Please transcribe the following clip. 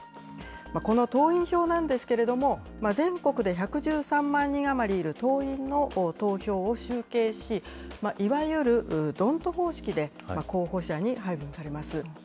この党員票なんですけれども、全国で１１３万人余りいる党員の投票を集計し、いわゆるドント方式で候補者に配分されます。